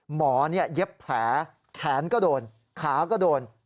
หมอนี่เย็บแผลแขนก็โดนขาก็โดน